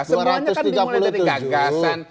semuanya kan dimulai dari gagasan